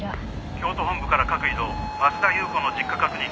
「京都本部から各移動」「増田裕子の実家確認。